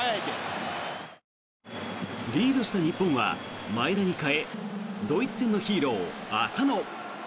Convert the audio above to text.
リードした日本は前田に代えドイツ戦のヒーロー、浅野。